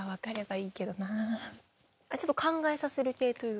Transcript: ちょっと考えさせる系というか？